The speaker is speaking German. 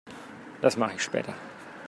Das mache ich später.